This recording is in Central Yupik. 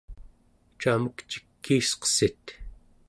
camek cikiisqessit?